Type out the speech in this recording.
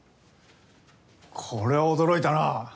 これは驚いたな。